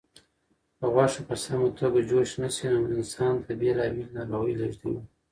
که غوښه په سمه توګه جوش نشي نو انسان ته بېلابېلې ناروغۍ لېږدوي.